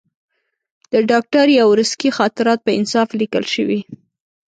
د ډاکټر یاورسکي خاطرات په انصاف لیکل شوي.